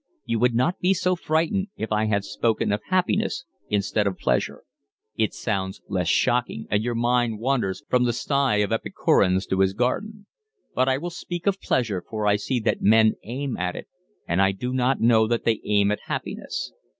You would not be so frightened if I had spoken of happiness instead of pleasure: it sounds less shocking, and your mind wanders from the sty of Epicurus to his garden. But I will speak of pleasure, for I see that men aim at that, and I do not know that they aim at happiness.